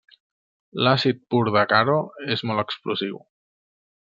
L'àcid pur de Caro és molt explosiu.